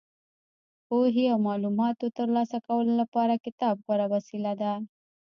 پوهې او معلوماتو ترلاسه کولو لپاره کتاب غوره وسیله ده.